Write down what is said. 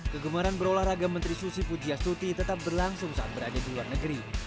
kegemaran berolahraga menteri susi pujiastuti tetap berlangsung saat berada di luar negeri